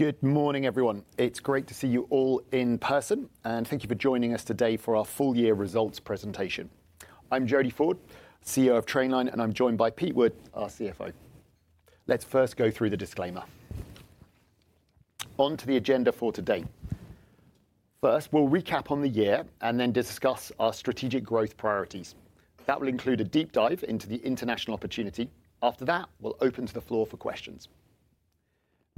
Good morning, everyone. It's is great to see you all in person, and thank you for joining us today for our full-year results presentation. I am Jody Ford, CEO of Trainline, and I am joined by Pete Wood, our CFO. Let us first go through the disclaimer. Onto the agenda for today. First, we will recap on the year and then discuss our strategic growth priorities. That will include a deep dive into the international opportunity. After that, we will open to the floor for questions.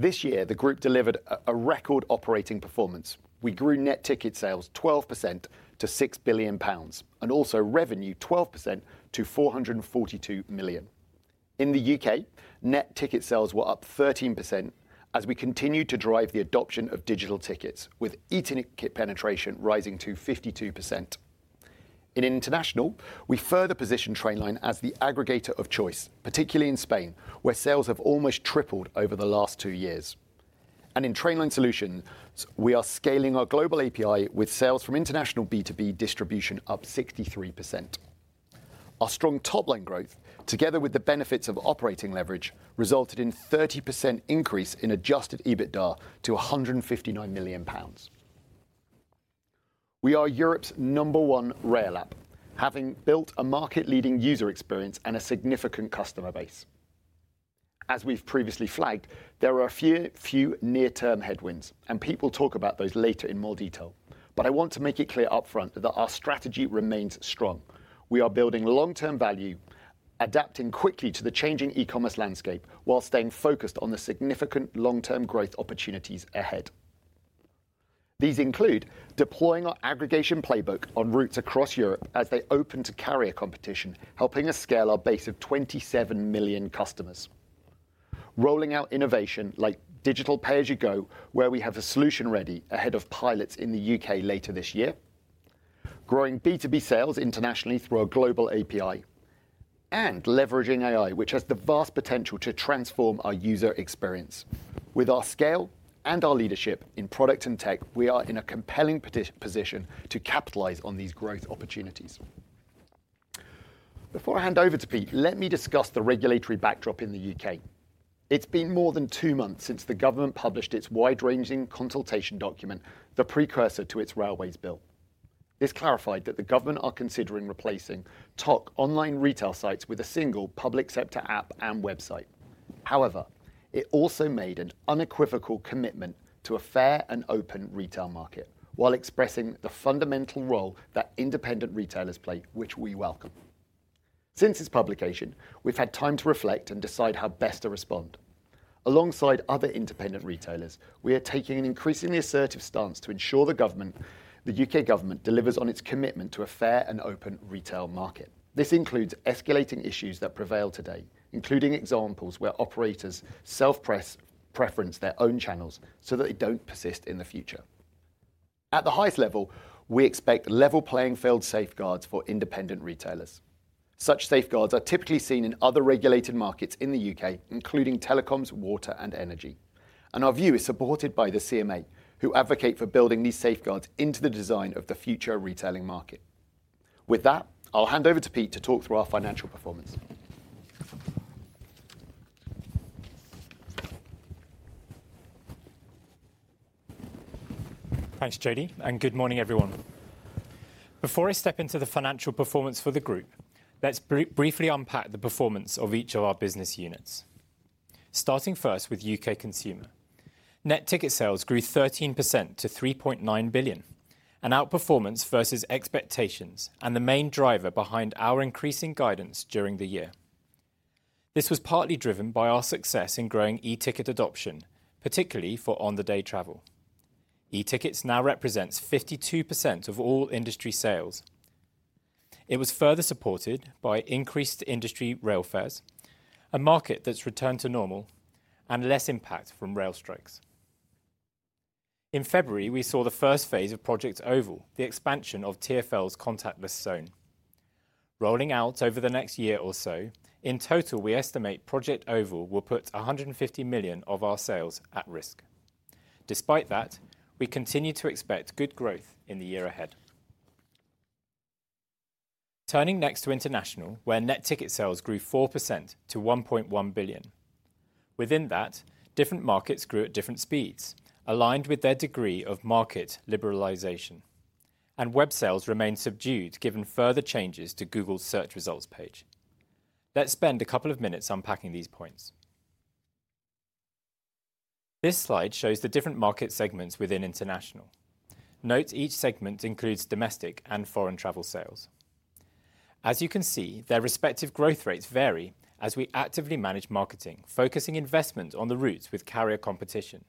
This year, the group delivered a record operating performance. We grew net ticket sales 12% to 6 billion pounds, and also revenue 12% to 442 million. In the U.K., net ticket sales were up 13% as we continued to drive the adoption of digital tickets, with e-ticket penetration rising to 52%. In international, we further position Trainline as the aggregator of choice, particularly in Spain, where sales have almost tripled over the last two years. In Trainline Solutions, we are scaling our global API with sales from international B2B distribution up 63%. Our strong top-line growth, together with the benefits of operating leverage, resulted in a 30% increase in adjusted EBITDA to 159 million pounds. We are Europe's number one rail app, having built a market-leading user experience and a significant customer base. As we have previously flagged, there are a few near-term headwinds, and people talk about those later in more detail. I want to make it clear upfront that our strategy remains strong. We are building long-term value, adapting quickly to the changing e-commerce landscape while staying focused on the significant long-term growth opportunities ahead. These include deploying our aggregation playbook on routes across Europe as they open to carrier competition, helping us scale our base of 27 million customers. Rolling out innovation like digital pay-as-you-go, where we have a solution ready ahead of pilots in the U.K. later this year. Growing B2B sales internationally through our global API. Leveraging AI, which has the vast potential to transform our user experience. With our scale and our leadership in product and tech, we are in a compelling position to capitalize on these growth opportunities. Before I hand over to Pete, let me discuss the regulatory backdrop in the U.K. It has been more than two months since the government published its wide-ranging consultation document, the precursor to its railways bill. This clarified that the government is considering replacing TOC online retail sites with a single public sector app and website. However, it also made an unequivocal commitment to a fair and open retail market, while expressing the fundamental role that independent retailers play, which we welcome. Since its publication, we've had time to reflect and decide how best to respond. Alongside other independent retailers, we are taking an increasingly assertive stance to ensure the U.K. government delivers on its commitment to a fair and open retail market. This includes escalating issues that prevail today, including examples where operators self-preference their own channels so that they don't persist in the future. At the highest level, we expect level playing field safeguards for independent retailers. Such safeguards are typically seen in other regulated markets in the U.K., including telecoms, water, and energy. Our view is supported by the CMA, who advocate for building these safeguards into the design of the future retailing market. With that, I'll hand over to Pete to talk through our financial performance. Thanks, Jody, and good morning, everyone. Before I step into the financial performance for the group, let's briefly unpack the performance of each of our business units. Starting first with U.K. consumer, net ticket sales grew 13% to 3.9 billion, an outperformance versus expectations and the main driver behind our increasing guidance during the year. This was partly driven by our success in growing e-ticket adoption, particularly for on-the-day travel. E-tickets now represent 52% of all industry sales. It was further supported by increased industry rail fares, a market that's returned to normal, and less impact from rail strikes. In February, we saw the first phase of Project Oval, the expansion of TFL's contactless zone. Rolling out over the next year or so, in total, we estimate Project Oval will put 150 million of our sales at risk. Despite that, we continue to expect good growth in the year ahead. Turning next to international, where net ticket sales grew 4% to 1.1 billion. Within that, different markets grew at different speeds, aligned with their degree of market liberalization. Web sales remained subdued, given further changes to Google's search results page. Let's spend a couple of minutes unpacking these points. This slide shows the different market segments within international. Note each segment includes domestic and foreign travel sales. As you can see, their respective growth rates vary as we actively manage marketing, focusing investment on the routes with carrier competition.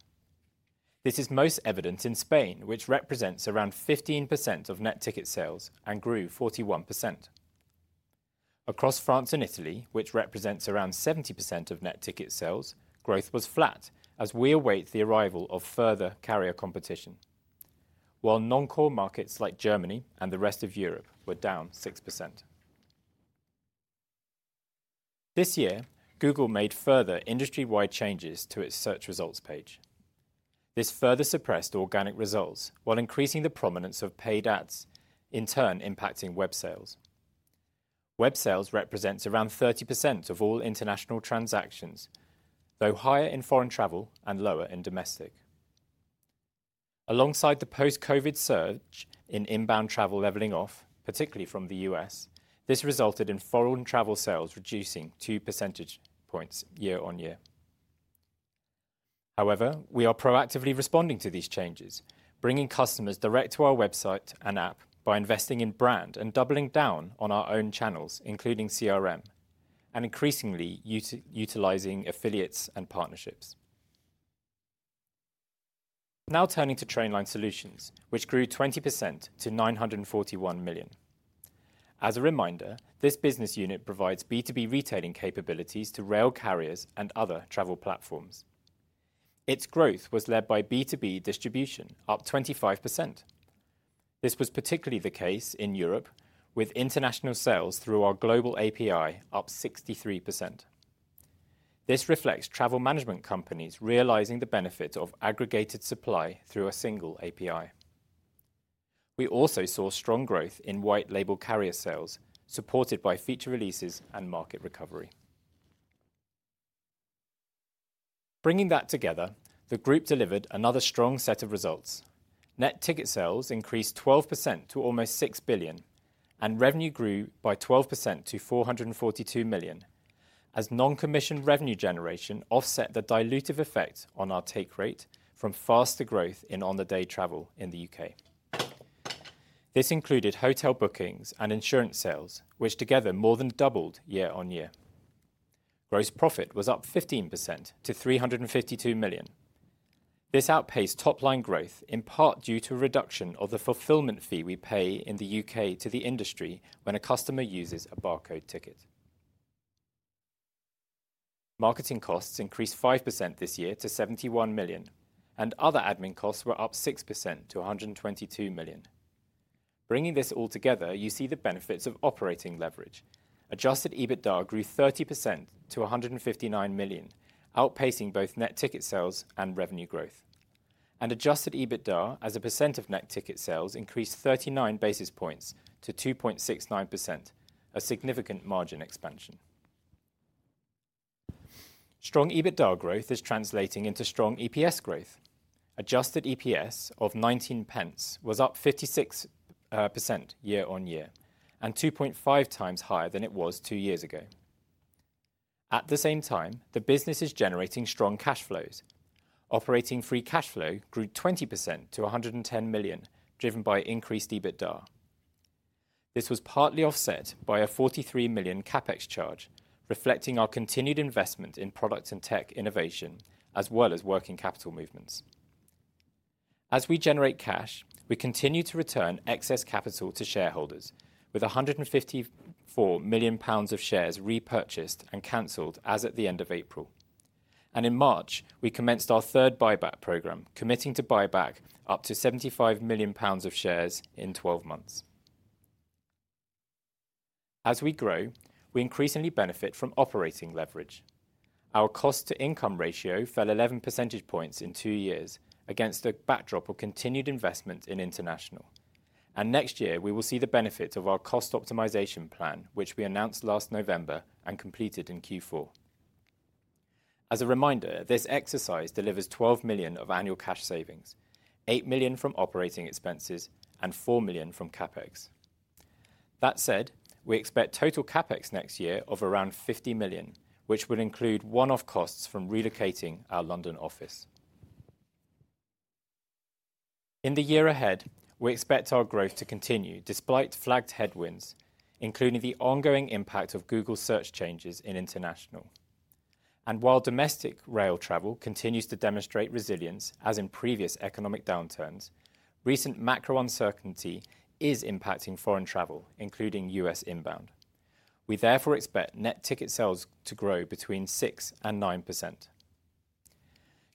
This is most evident in Spain, which represents around 15% of net ticket sales and grew 41%. Across France and Italy, which represents around 70% of net ticket sales, growth was flat as we await the arrival of further carrier competition, while non-core markets like Germany and the rest of Europe were down 6%. This year, Google made further industry-wide changes to its search results page. This further suppressed organic results while increasing the prominence of paid ads, in turn impacting web sales. Web sales represents around 30% of all international transactions, though higher in foreign travel and lower in domestic. Alongside the post-COVID surge in inbound travel leveling off, particularly from the U.S., this resulted in foreign travel sales reducing 2 percentage points year on year. However, we are proactively responding to these changes, bringing customers direct to our website and app by investing in brand and doubling down on our own channels, including CRM, and increasingly utilizing affiliates and partnerships. Now turning to Trainline Solutions, which grew 20% to 941 million. As a reminder, this business unit provides B2B retailing capabilities to rail carriers and other travel platforms. Its growth was led by B2B distribution, up 25%. This was particularly the case in Europe, with international sales through our global API up 63%. This reflects travel management companies realizing the benefit of aggregated supply through a single API. We also saw strong growth in white-label carrier sales, supported by feature releases and market recovery. Bringing that together, the group delivered another strong set of results. Net ticket sales increased 12% to almost 6 billion, and revenue grew by 12% to 442 million, as non-commissioned revenue generation offset the dilutive effect on our take rate from faster growth in on-the-day travel in the U.K. This included hotel bookings and insurance sales, which together more than doubled year on year. Gross profit was up 15% to 352 million. This outpaced top-line growth, in part due to a reduction of the fulfillment fee we pay in the U.K. to the industry when a customer uses a barcode ticket. Marketing costs increased 5% this year to 71 million, and other admin costs were up 6% to 122 million. Bringing this all together, you see the benefits of operating leverage. Adjusted EBITDA grew 30% to 159 million, outpacing both net ticket sales and revenue growth. Adjusted EBITDA, as a percent of net ticket sales, increased 39 basis points to 2.69%, a significant margin expansion. Strong EBITDA growth is translating into strong EPS growth. Adjusted EPS of 0.19 was up 56% year on year, and 2.5 times higher than it was two years ago. At the same time, the business is generating strong cash flows. Operating free cash flow grew 20% to 110 million, driven by increased EBITDA. This was partly offset by a 43 million capex charge, reflecting our continued investment in product and tech innovation, as well as working capital movements. As we generate cash, we continue to return excess capital to shareholders, with 154 million pounds of shares repurchased and cancelled as at the end of April. In March, we commenced our third buy back program, committing to buy back up to 75 million pounds of shares in 12 months. As we grow, we increasingly benefit from operating leverage. Our cost-to-income ratio fell 11 percentage points in two years against the backdrop of continued investment in international. Next year, we will see the benefits of our cost optimization plan, which we announced last November and completed in Q4. As a reminder, this exercise delivers 12 million of annual cash savings, 8 million from operating expenses, and 4 million from CapEx. That said, we expect total CapEx next year of around 50 million, which will include one-off costs from relocating our London office. In the year ahead, we expect our growth to continue despite flagged headwinds, including the ongoing impact of Google search changes in international. While domestic rail travel continues to demonstrate resilience, as in previous economic downturns, recent macro uncertainty is impacting foreign travel, including U.S. inbound. We therefore expect net ticket sales to grow between 6% and 9%.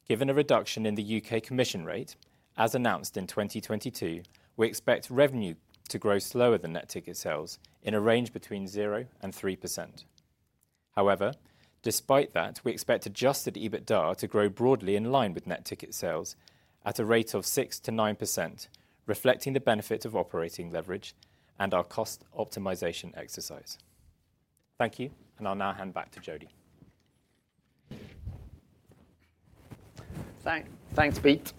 Given a reduction in the U.K. commission rate, as announced in 2022, we expect revenue to grow slower than net ticket sales in a range between 0% and 3%. However, despite that, we expect adjusted EBITDA to grow broadly in line with net ticket sales at a rate of 6%-9%, reflecting the benefit of operating leverage and our cost optimization exercise. Thank you, and I'll now hand back to Jody. Thanks, Pete.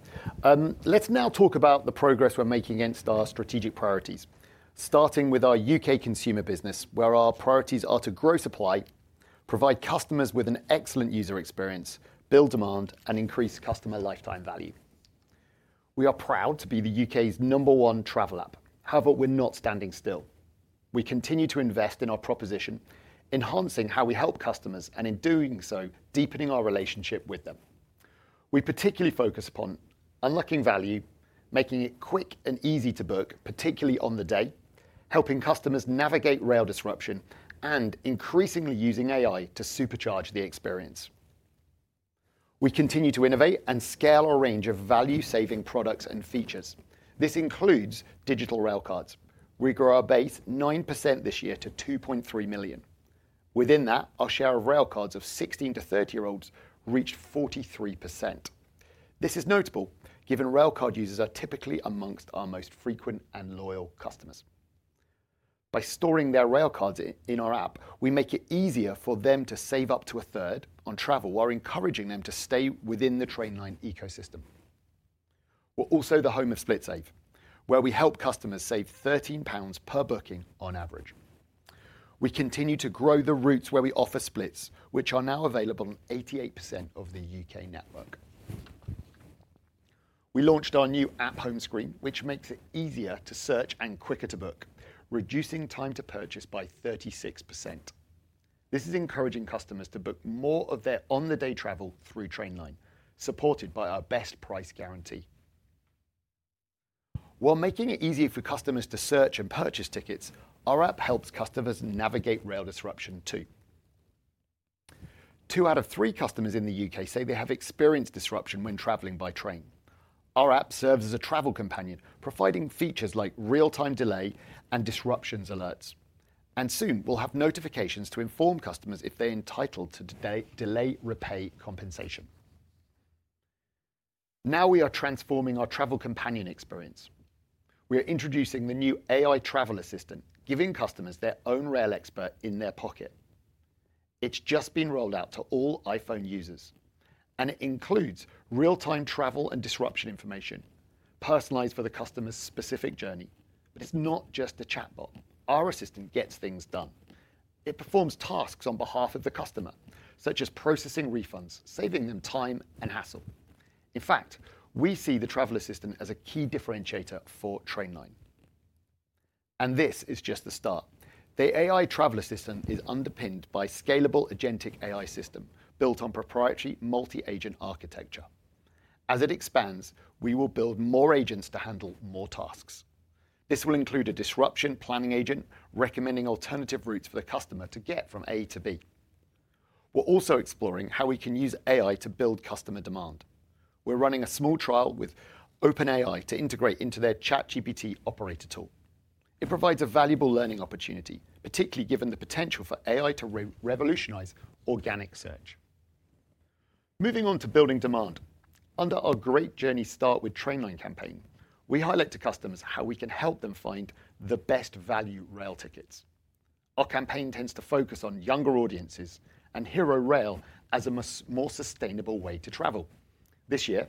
Let's now talk about the progress we're making against our strategic priorities, starting with our U.K. consumer business, where our priorities are to grow supply, provide customers with an excellent user experience, build demand, and increase customer lifetime value. We are proud to be the U.K.'s number one travel app. However, we're not standing still. We continue to invest in our proposition, enhancing how we help customers and, in doing so, deepening our relationship with them. We particularly focus upon unlocking value, making it quick and easy to book, particularly on the day, helping customers navigate rail disruption, and increasingly using AI to supercharge the experience. We continue to innovate and scale our range of value-saving products and features. This includes digital railcards. We grew our base 9% this year to 2.3 million. Within that, our share of railcards of 16- to 30-year-olds reached 43%. This is notable, given railcard users are typically amongst our most frequent and loyal customers. By storing their railcards in our app, we make it easier for them to save up to a third on travel while encouraging them to stay within the Trainline ecosystem. We're also the home of SplitSave, where we help customers save 13 pounds per booking on average. We continue to grow the routes where we offer splits, which are now available on 88% of the U.K. network. We launched our new app home screen, which makes it easier to search and quicker to book, reducing time to purchase by 36%. This is encouraging customers to book more of their on-the-day travel through Trainline, supported by our best price guarantee. While making it easier for customers to search and purchase tickets, our app helps customers navigate rail disruption too. Two out of three customers in the U.K. say they have experienced disruption when traveling by train. Our app serves as a travel companion, providing features like real-time delay and disruption alerts. Soon, we'll have notifications to inform customers if they're entitled to delay repay compensation. Now we are transforming our travel companion experience. We are introducing the new AI Travel Assistant, giving customers their own rail expert in their pocket. It's just been rolled out to all iPhone users, and it includes real-time travel and disruption information, personalized for the customer's specific journey. It is not just a chatbot. Our assistant gets things done. It performs tasks on behalf of the customer, such as processing refunds, saving them time and hassle. In fact, we see the Travel Assistant as a key differentiator for Trainline. This is just the start. The AI Travel Assistant is underpinned by a scalable agentic AI system built on proprietary multi-agent architecture. As it expands, we will build more agents to handle more tasks. This will include a disruption planning agent recommending alternative routes for the customer to get from A to B. We're also exploring how we can use AI to build customer demand. We're running a small trial with OpenAI to integrate into their ChatGPT operator tool. It provides a valuable learning opportunity, particularly given the potential for AI to revolutionize organic search. Moving on to building demand, under our Great Journey Start with Trainline campaign, we highlight to customers how we can help them find the best value rail tickets. Our campaign tends to focus on younger audiences and hero rail as a more sustainable way to travel. This year,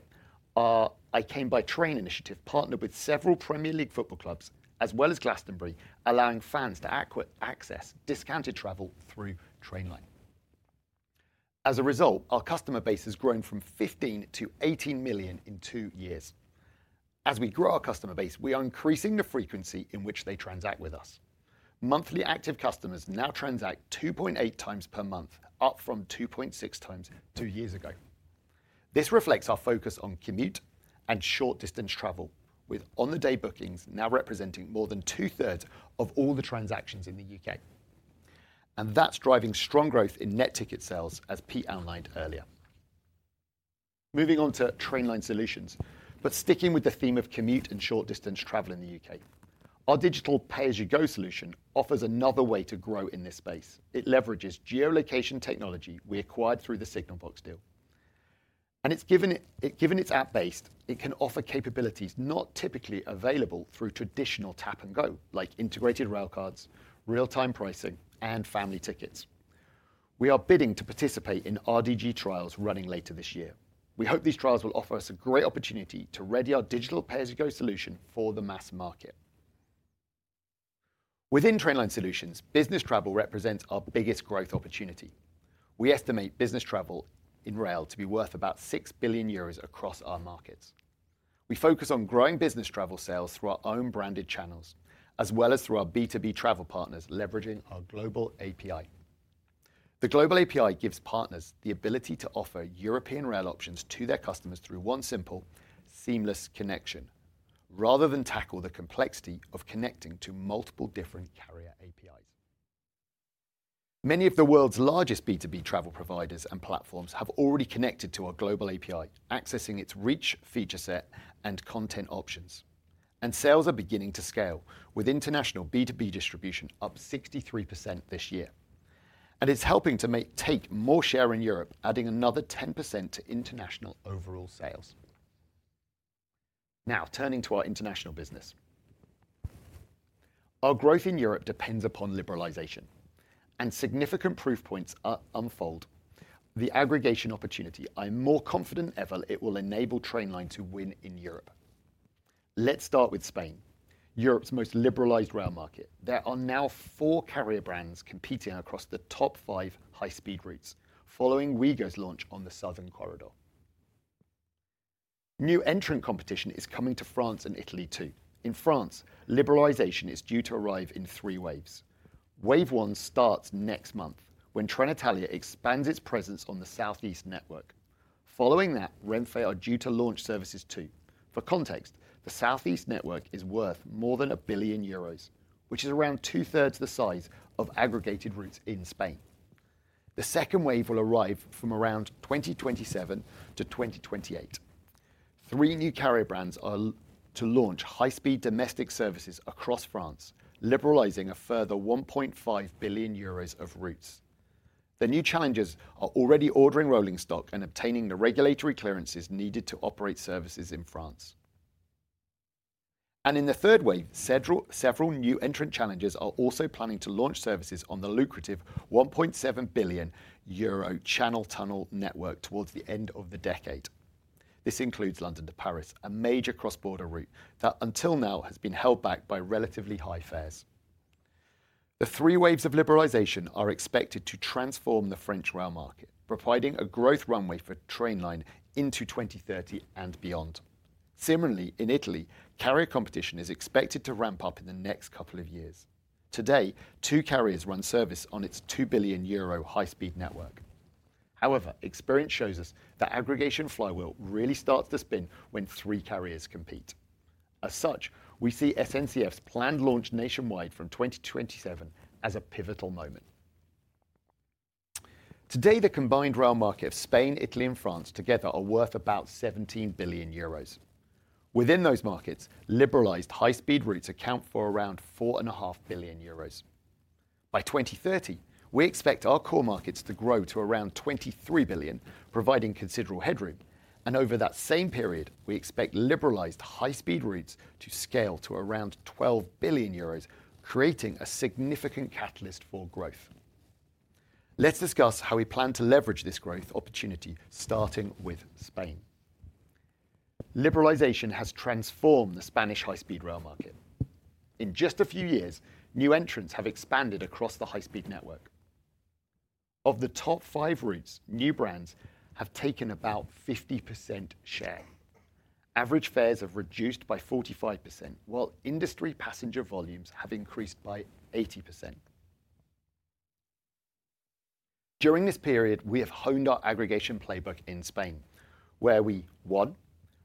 our I Came By Train initiative partnered with several Premier League football clubs, as well as Glastonbury, allowing fans to access discounted travel through Trainline. As a result, our customer base has grown from 15 million to 18 million in two years. As we grow our customer base, we are increasing the frequency in which they transact with us. Monthly active customers now transact 2.8 times per month, up from 2.6 times two years ago. This reflects our focus on commute and short-distance travel, with on-the-day bookings now representing more than two-thirds of all the transactions in the U.K. That is driving strong growth in net ticket sales, as Pete outlined earlier. Moving on to Trainline Solutions, but sticking with the theme of commute and short-distance travel in the U.K., our digital pay-as-you-go solution offers another way to grow in this space. It leverages geolocation technology we acquired through the Signalbox deal. Given its app base, it can offer capabilities not typically available through traditional tap-and-go, like integrated railcards, real-time pricing, and family tickets. We are bidding to participate in RDG trials running later this year. We hope these trials will offer us a great opportunity to ready our digital pay-as-you-go solution for the mass market. Within Trainline Solutions, business travel represents our biggest growth opportunity. We estimate business travel in rail to be worth about 6 billion euros across our markets. We focus on growing business travel sales through our own branded channels, as well as through our B2B travel partners, leveraging our global API. The global API gives partners the ability to offer European rail options to their customers through one simple, seamless connection, rather than tackle the complexity of connecting to multiple different carrier APIs. Many of the world's largest B2B travel providers and platforms have already connected to our global API, accessing its rich feature set and content options. Sales are beginning to scale, with international B2B distribution up 63% this year. It is helping to take more share in Europe, adding another 10% to international overall sales. Now, turning to our international business. Our growth in Europe depends upon liberalization, and significant proof points unfold. The aggregation opportunity, I'm more confident than ever it will enable Trainline to win in Europe. Let's start with Spain, Europe's most liberalized rail market. There are now four carrier brands competing across the top five high-speed routes, following Ouigo's launch on the southern corridor. New entrant competition is coming to France and Italy too. In France, liberalization is due to arrive in three waves. Wave one starts next month, when Trenitalia expands its presence on the South-East network. Following that, Renfe are due to launch services too. For context, the South-East network is worth more than 1 billion euros, which is around two-thirds the size of aggregated routes in Spain. The second wave will arrive from around 2027 to 2028. Three new carrier brands are to launch high-speed domestic services across France, liberalizing a further 1.5 billion euros of routes. The new challengers are already ordering rolling stock and obtaining the regulatory clearances needed to operate services in France. In the third wave, several new entrant challengers are also planning to launch services on the lucrative 1.7 billion euro channel-tunnel network towards the end of the decade. This includes London to Paris, a major cross-border route that until now has been held back by relatively high fares. The three waves of liberalization are expected to transform the French rail market, providing a growth runway for Trainline into 2030 and beyond. Similarly, in Italy, carrier competition is expected to ramp up in the next couple of years. Today, two carriers run service on its 2 billion euro high-speed network. However, experience shows us that aggregation flywheel really starts to spin when three carriers compete. As such, we see SNCF's planned launch nationwide from 2027 as a pivotal moment. Today, the combined rail market of Spain, Italy, and France together are worth about 17 billion euros. Within those markets, liberalized high-speed routes account for around 4.5 billion euros. By 2030, we expect our core markets to grow to around 23 billion, providing considerable headroom. Over that same period, we expect liberalized high-speed routes to scale to around 12 billion euros, creating a significant catalyst for growth. Let's discuss how we plan to leverage this growth opportunity, starting with Spain. Liberalization has transformed the Spanish high-speed rail market. In just a few years, new entrants have expanded across the high-speed network. Of the top five routes, new brands have taken about 50% share. Average fares have reduced by 45%, while industry passenger volumes have increased by 80%. During this period, we have honed our aggregation playbook in Spain, where we: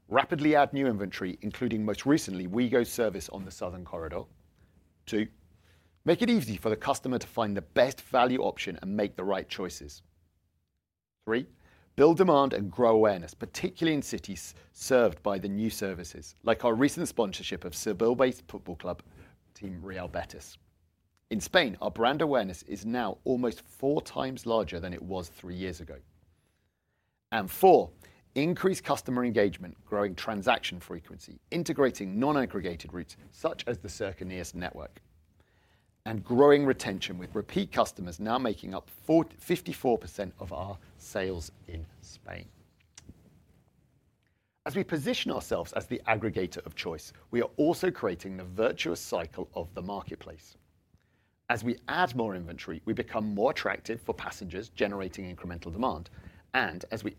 one, rapidly add new inventory, including most recently Ouigo's service on the southern corridor; two, make it easy for the customer to find the best value option and make the right choices. Three, build demand and grow awareness, particularly in cities served by the new services, like our recent sponsorship of Seville-based football club Real Betis. In Spain, our brand awareness is now almost four times larger than it was three years ago, and four, increase customer engagement, growing transaction frequency, integrating non-aggregated routes such as the Circunes network, and growing retention, with repeat customers now making up 54% of our sales in Spain. As we position ourselves as the aggregator of choice, we are also creating the virtuous cycle of the marketplace. As we add more inventory, we become more attractive for passengers, generating incremental demand. As we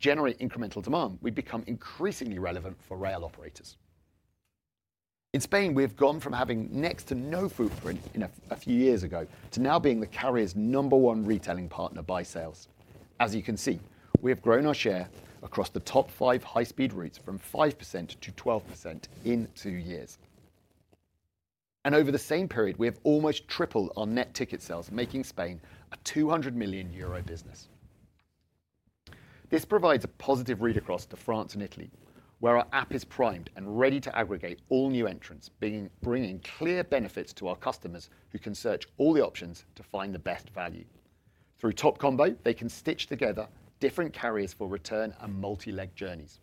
generate incremental demand, we become increasingly relevant for rail operators. In Spain, we have gone from having next to no footprint a few years ago to now being the carrier's number one retailing partner by sales. As you can see, we have grown our share across the top five high-speed routes from 5% to 12% in two years. Over the same period, we have almost tripled our net ticket sales, making Spain a 200 million euro business. This provides a positive read across to France and Italy, where our app is primed and ready to aggregate all new entrants, bringing clear benefits to our customers who can search all the options to find the best value. Through TopCombo, they can stitch together different carriers for return and multi-leg journeys.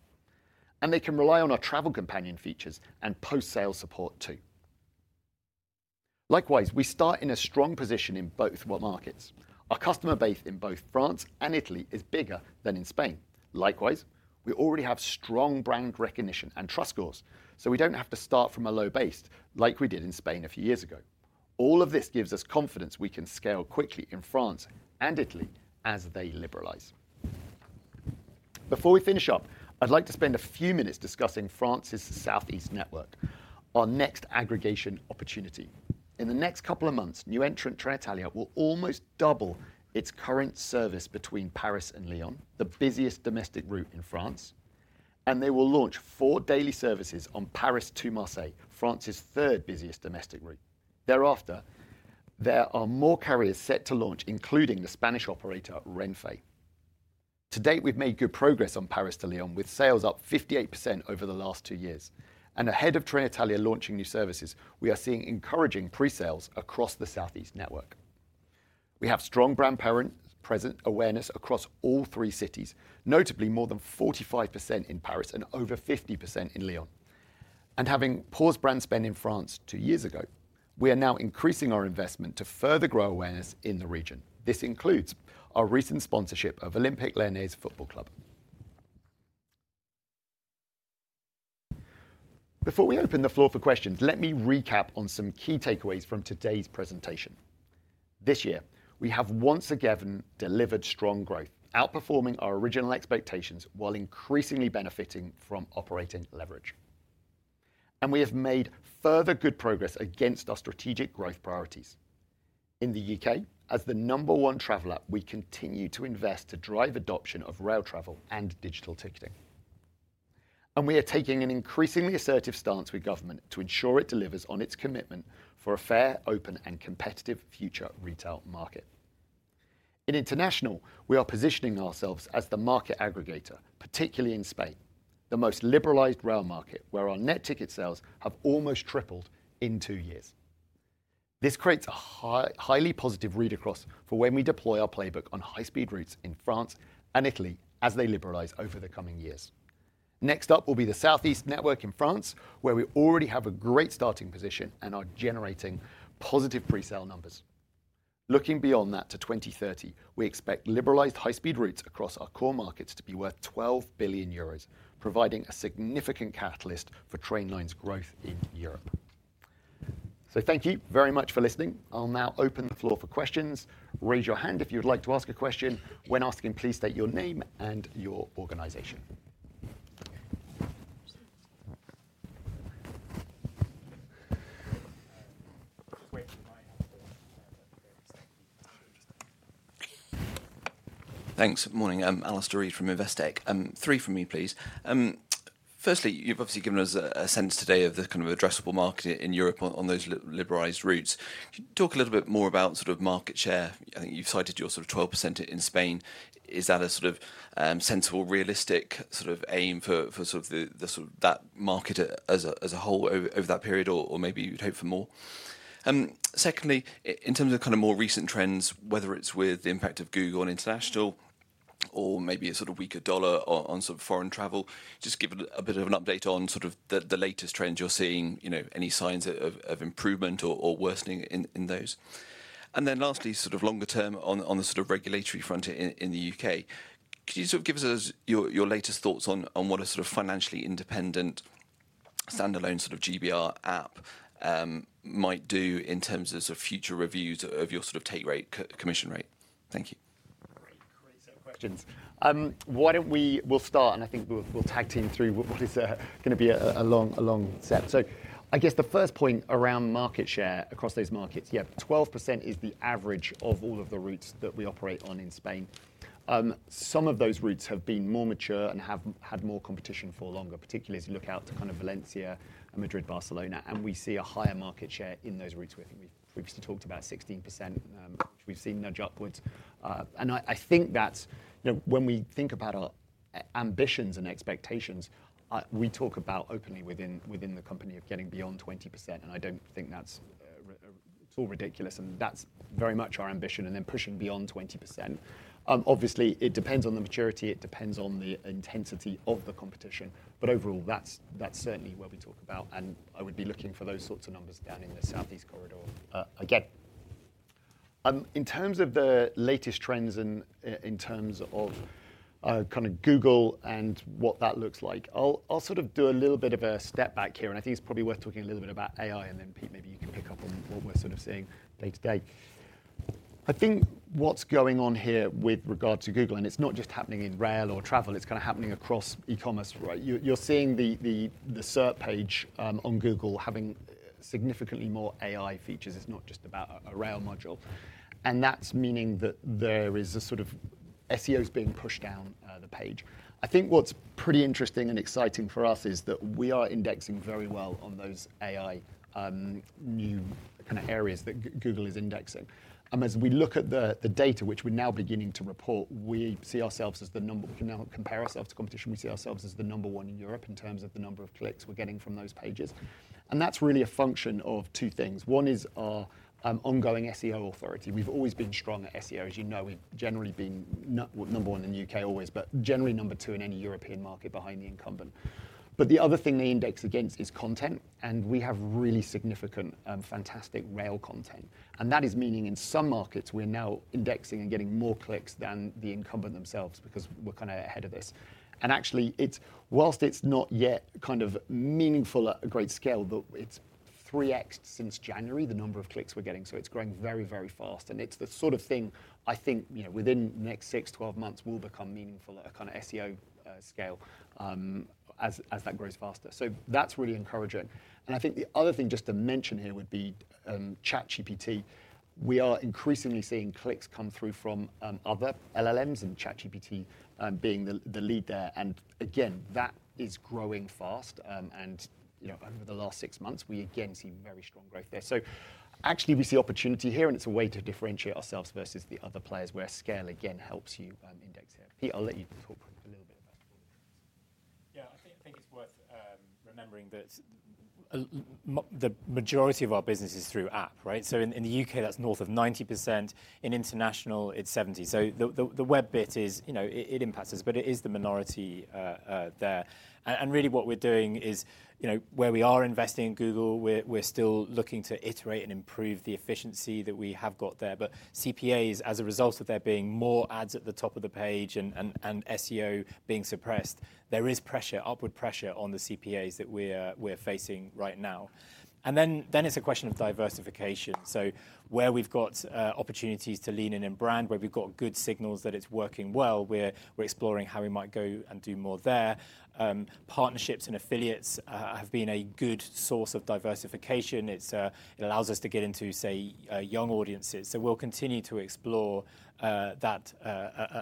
They can rely on our Travel Companion features and post-sale support, too. Likewise, we start in a strong position in both markets. Our customer base in both France and Italy is bigger than in Spain. Likewise, we already have strong brand recognition and trust scores, so we do not have to start from a low base like we did in Spain a few years ago. All of this gives us confidence we can scale quickly in France and Italy as they liberalize. Before we finish up, I'd like to spend a few minutes discussing France's South-East network, our next aggregation opportunity. In the next couple of months, new entrant Trenitalia will almost double its current service between Paris and Lyon, the busiest domestic route in France. They will launch four daily services on Paris to Marseille, France's third busiest domestic route. Thereafter, there are more carriers set to launch, including the Spanish operator Renfe. To date, we've made good progress on Paris to Lyon, with sales up 58% over the last two years. Ahead of Trenitalia launching new services, we are seeing encouraging pre-sales across the South-East network. We have strong brand awareness across all three cities, notably more than 45% in Paris and over 50% in Lyon. Having paused brand spend in France two years ago, we are now increasing our investment to further grow awareness in the region. This includes our recent sponsorship of Olympique Lyonnaise Football Club. Before we open the floor for questions, let me recap on some key takeaways from today's presentation. This year, we have once again delivered strong growth, outperforming our original expectations while increasingly benefiting from operating leverage. We have made further good progress against our strategic growth priorities. In the U.K., as the number one traveler, we continue to invest to drive adoption of rail travel and digital ticketing. We are taking an increasingly assertive stance with government to ensure it delivers on its commitment for a fair, open, and competitive future retail market. In international, we are positioning ourselves as the market aggregator, particularly in Spain, the most liberalized rail market, where our net ticket sales have almost tripled in two years. This creates a highly positive read across for when we deploy our playbook on high-speed routes in France and Italy as they liberalize over the coming years. Next up will be the South-East network in France, where we already have a great starting position and are generating positive pre-sale numbers. Looking beyond that to 2030, we expect liberalized high-speed routes across our core markets to be worth 12 billion euros, providing a significant catalyst for Trainline's growth in Europe. Thank you very much for listening. I'll now open the floor for questions. Raise your hand if you'd like to ask a question. When asking, please state your name and your organization. Thanks. Good morning. I'm Alastair Reid from Investec. Three from me, please. Firstly, you've obviously given us a sense today of the kind of addressable market in Europe on those liberalized routes. Can you talk a little bit more about sort of market share? I think you've cited your sort of 12% in Spain. Is that a sort of sensible, realistic sort of aim for sort of that market as a whole over that period, or maybe you'd hope for more? Secondly, in terms of kind of more recent trends, whether it's with the impact of Google on international or maybe a sort of weaker dollar on sort of foreign travel, just give a bit of an update on sort of the latest trends you're seeing, any signs of improvement or worsening in those. Lastly, sort of longer term on the regulatory front in the U.K., could you give us your latest thoughts on what a financially independent, standalone GBR app might do in terms of future reviews of your commission rate? Thank you. Great, great set of questions. Why don't we start, and I think we'll tag team through what is going to be a long set. I guess the first point around market share across those markets, yeah, 12% is the average of all of the routes that we operate on in Spain. Some of those routes have been more mature and have had more competition for longer, particularly as you look out to kind of Valencia and Madrid, Barcelona. We see a higher market share in those routes. We think we've previously talked about 16%, which we've seen nudge upwards. I think that when we think about our ambitions and expectations, we talk about openly within the company of getting beyond 20%. I don't think that's at all ridiculous. That's very much our ambition, and then pushing beyond 20%. Obviously, it depends on the maturity. It depends on the intensity of the competition. Overall, that's certainly what we talk about. I would be looking for those sorts of numbers down in the Southeast corridor again. In terms of the latest trends and in terms of kind of Google and what that looks like, I'll sort of do a little bit of a step back here. I think it's probably worth talking a little bit about AI. Pete, maybe you can pick up on what we're sort of seeing day to day. I think what's going on here with regard to Google, and it's not just happening in rail or travel, it's kind of happening across e-commerce, right? You're seeing the search page on Google having significantly more AI features. It's not just about a rail module. That's meaning that there is a sort of SEO is being pushed down the page. I think what's pretty interesting and exciting for us is that we are indexing very well on those AI new kind of areas that Google is indexing. As we look at the data, which we're now beginning to report, we see ourselves as the number we can now compare ourselves to competition. We see ourselves as the number one in Europe in terms of the number of clicks we're getting from those pages. That's really a function of two things. One is our on-going SEO authority. We've always been strong at SEO. As you know, we've generally been number one in the U.K. always, but generally number two in any European market behind the incumbent. The other thing they index against is content. We have really significant, fantastic rail content. That is meaning in some markets, we're now indexing and getting more clicks than the incumbent themselves because we're kind of ahead of this. Actually, whilst it's not yet kind of meaningful at a great scale, it's 3x'd since January, the number of clicks we're getting. It's growing very, very fast. It's the sort of thing I think within the next 6-12 months will become meaningful at a kind of SEO scale as that grows faster. That is really encouraging. I think the other thing just to mention here would be ChatGPT. We are increasingly seeing clicks come through from other LLMs and ChatGPT being the lead there. That is growing fast. Over the last six months, we again see very strong growth there. Actually, we see opportunity here. It's a way to differentiate ourselves versus the other players where scale, again, helps you index here. Pete, I'll let you talk a little bit about all of this. I think it's worth remembering that the majority of our business is through app, right? In the U.K., that's north of 90%. In international, it's 70%. The web bit is it impacts us, but it is the minority there. Really what we're doing is where we are investing in Google, we're still looking to iterate and improve the efficiency that we have got there. CPAs, as a result of there being more ads at the top of the page and SEO being suppressed, there is pressure, upward pressure on the CPAs that we're facing right now. It is a question of diversification. Where we've got opportunities to lean in in brand, where we've got good signals that it's working well, we're exploring how we might go and do more there. Partnerships and affiliates have been a good source of diversification. It allows us to get into, say, young audiences. We'll continue to explore that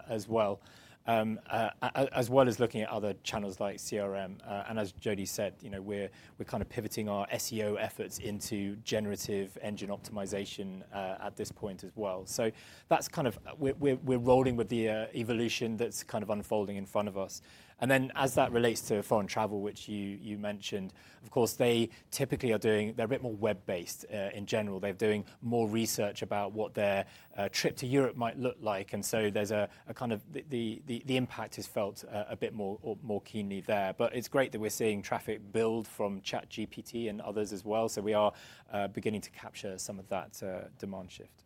as well, as well as looking at other channels like CRM. As Jody said, we're kind of pivoting our SEO efforts into generative engine optimization at this point as well. That's kind of we're rolling with the evolution that's unfolding in front of us. As that relates to foreign travel, which you mentioned, of course, they typically are doing—they're a bit more web-based in general. They're doing more research about what their trip to Europe might look like. There's a kind of the impact is felt a bit more keenly there. It's great that we're seeing traffic build from ChatGPT and others as well. We are beginning to capture some of that demand shift.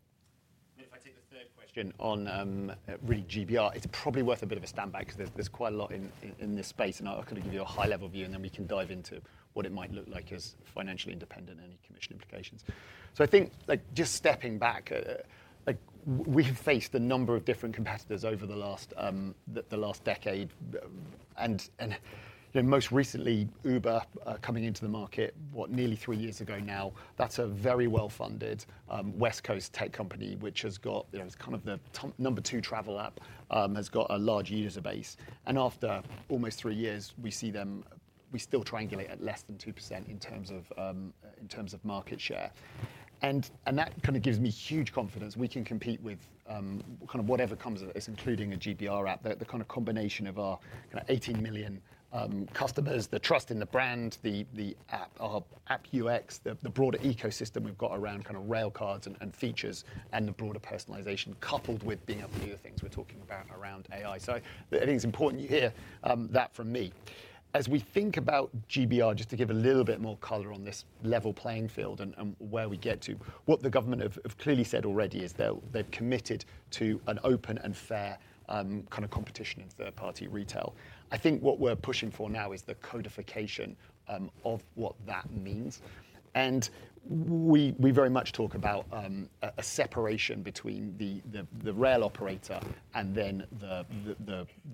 If I take the third question on really GBR, it's probably worth a bit of a standby because there's quite a lot in this space. I'll kind of give you a high-level view, and then we can dive into what it might look like as financially independent and any commission implications. I think just stepping back, we have faced a number of different competitors over the last decade. Most recently, Uber coming into the market, what, nearly three years ago now, that's a very well-funded West Coast tech company which has got its kind of the number two travel app, has got a large user base. After almost three years, we see them, we still triangulate at less than 2% in terms of market share. That kind of gives me huge confidence. We can compete with kind of whatever comes of this, including a GBR app, the kind of combination of our kind of 18 million customers, the trust in the brand, the app UX, the broader ecosystem we've got around kind of railcards and features, and the broader personalization coupled with being able to do the things we're talking about around AI. I think it's important you hear that from me. As we think about GBR, just to give a little bit more color on this level playing field and where we get to, what the government have clearly said already is they've committed to an open and fair kind of competition in third-party retail. I think what we're pushing for now is the codification of what that means. We very much talk about a separation between the rail operator and then the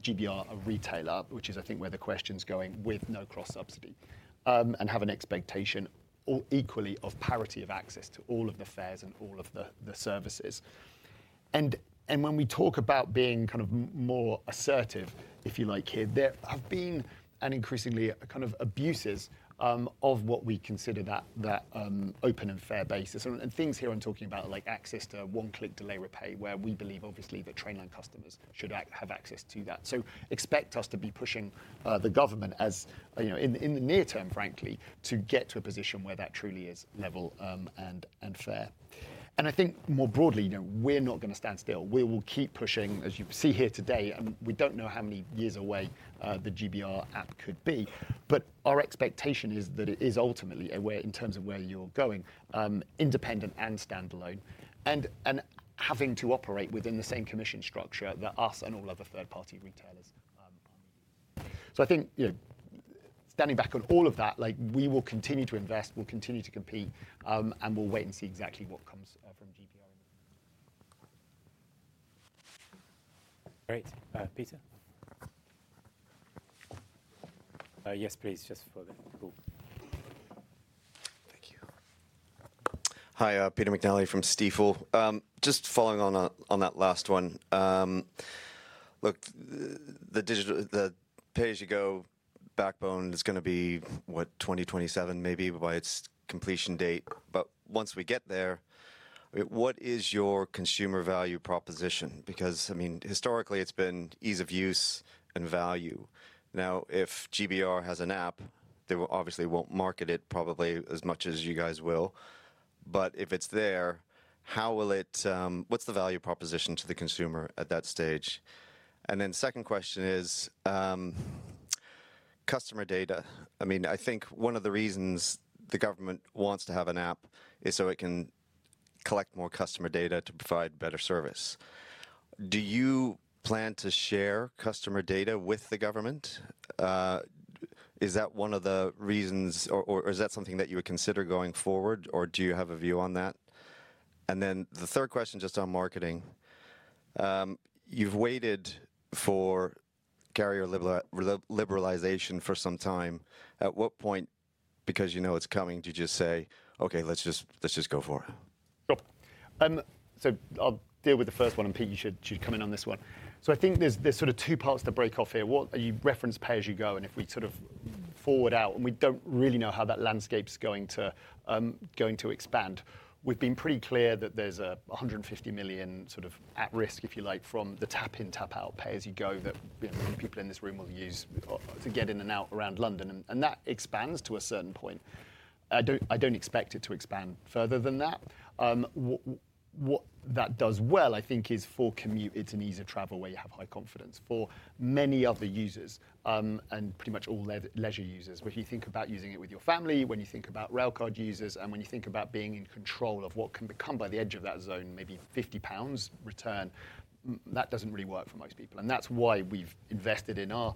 GBR retailer, which is, I think, where the question's going with no cross-subsidy, and have an expectation equally of parity of access to all of the fares and all of the services. When we talk about being kind of more assertive, if you like, here, there have been increasingly kind of abuses of what we consider that open and fair basis. Things here I'm talking about are like access to one-click delay repay, where we believe, obviously, that Trainline customers should have access to that. Expect us to be pushing the government, as in the near term, frankly, to get to a position where that truly is level and fair. I think more broadly, we're not going to stand still. We will keep pushing, as you see here today. We do not know how many years away the GBR app could be. Our expectation is that it is ultimately a way in terms of where you are going, independent and standalone, and having to operate within the same commission structure that we and all other third-party retailers are needing. I think standing back on all of that, we will continue to invest, we will continue to compete, and we will wait and see exactly what comes from GBR. Great. Peter? Yes, please, just for the pool. Thank you. Hi, Peter McNally from Stifel. Just following on that last one. Look, the pay-as-you-go backbone is going to be, what, 2027 maybe by its completion date. Once we get there, what is your consumer value proposition? Because, I mean, historically, it has been ease of use and value. Now, if GBR has an app, they obviously won't market it probably as much as you guys will. If it's there, how will it, what's the value proposition to the consumer at that stage? The second question is customer data. I mean, I think one of the reasons the government wants to have an app is so it can collect more customer data to provide better service. Do you plan to share customer data with the government? Is that one of the reasons, or is that something that you would consider going forward, or do you have a view on that? The third question, just on marketing. You've waited for carrier liberalization for some time. At what point, because you know it's coming, did you just say, "OK, let's just go for it"? Sure. I'll deal with the first one. Pete, you should come in on this one. I think there are sort of two parts to break off here. Are you referencing pay-as-you-go? If we sort of forward out, we do not really know how that landscape is going to expand. We have been pretty clear that there is 150 million sort of at risk, if you like, from the tap-in, tap-out pay-as-you-go that many people in this room will use to get in and out around London. That expands to a certain point. I do not expect it to expand further than that. What that does well, I think, is for commute. It is an ease of travel where you have high confidence for many other users and pretty much all leisure users. When you think about using it with your family, when you think about railcard users, and when you think about being in control of what can become by the edge of that zone, maybe 50 pounds return, that does not really work for most people. That is why we have invested in our